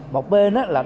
một bên là